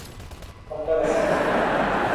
হাতটা ম্যাসাজ করে দে।